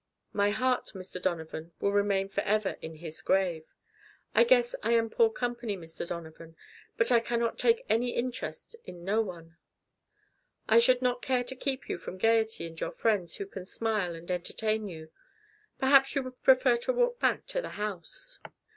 My heart, Mr. Donovan, will remain forever in his grave. I guess I am poor company, Mr. Donovan, but I can not take any interest in no one. I should not care to keep you from gaiety and your friends who can smile and entertain you. Perhaps you would prefer to walk back to the house?"